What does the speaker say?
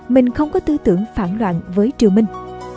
mình không có tư tưởng phản loạn với triều minh